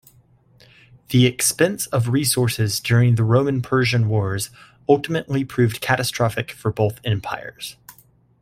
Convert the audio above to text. The expense of resources during the Roman-Persian Wars ultimately proved catastrophic for both empires.